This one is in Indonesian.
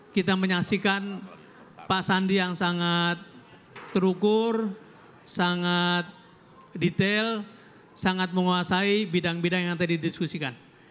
kita menyaksikan pak sandi yang sangat terukur sangat detail sangat menguasai bidang bidang yang tadi didiskusikan